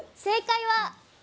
正解は！